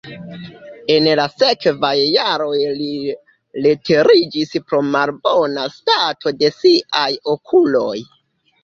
En la sekvaj jaroj li retiriĝis pro malbona stato de siaj okuloj.